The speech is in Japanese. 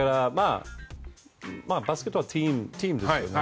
バスケットはチームですよね。